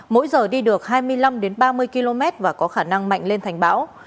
mỗi giờ đi được hai mươi năm ba mươi km và có khả năng mạnh lên thành bão